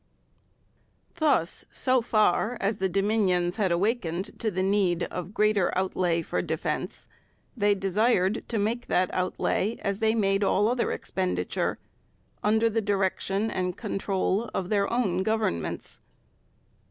Thus, so far as the Dominions had awakened to the need of greater outlay for defence, they desired to make that outlay as they made all other expenditure, under the direction and control of their own Governments.